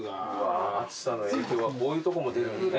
暑さの影響がこういうとこも出る。